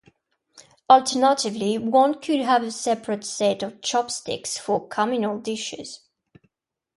Alternatively, one could have a separate set of chopsticks for communal dishes.